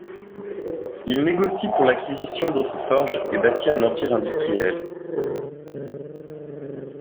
Il négocie pour l'acquisition d'autres forges et bâtit un empire industriel.